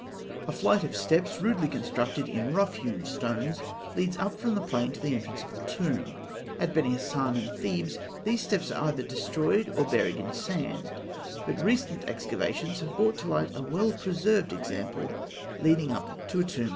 A flight of steps, rudely constructed in rough hewn stones, leads up from the plain to the entrance of the tomb. At Beni Hasan and Thebes, these steps are either destroyed or buried in sand; but recent excavations have brought to light a well preserved example leading up to a tomb at Asûan.